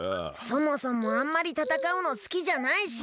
そもそもあんまりたたかうのすきじゃないし。